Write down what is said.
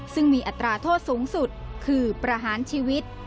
ซึ่งมีอัตราโทษสูงสุดคือประหารชีวิต